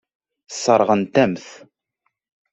Sseṛɣent-am-t.